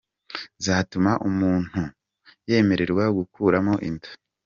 zatuma umuntu yemererwa gukuramo inda